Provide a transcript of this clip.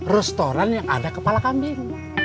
restoran yang ada kepala kambing